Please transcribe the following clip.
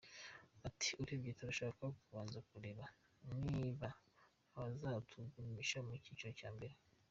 Ati “Urebye turashaka kubanza kureba niba azanatugumisha mu cyiciro cya mbere.